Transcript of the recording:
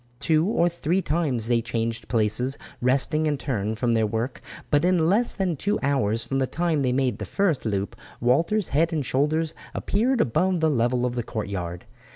Two or three times they changed places, resting in turn from the work; but in less than two hours from the time they made the first loop Walter's head and shoulders appeared above the level of the courtyard.